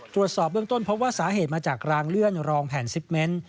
ตรวจสอบเบื้องต้นพบว่าสาเหตุมาจากรางเลื่อนรองแผ่นซิปเมนต์